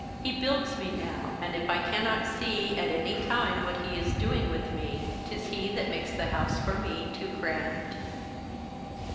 He builds me now and if I cannot see At any time what he is doing with me, 'Tis that he makes the house for me too grand.